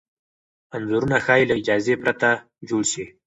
انځورونه ښايي له اجازې پرته جوړ شي.